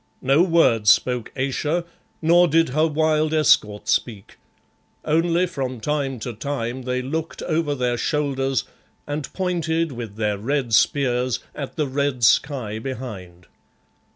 No word spoke Ayesha, nor did her wild escort speak, only from time to time they looked over their shoulders and pointed with their red spears at the red sky behind.